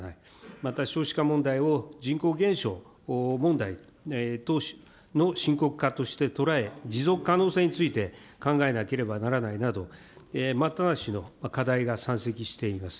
また少子化問題を人口減少問題の深刻化として捉え、持続可能性について考えなければならないなど、待ったなしの課題が山積しています。